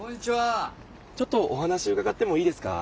ちょっとお話うかがってもいいですか？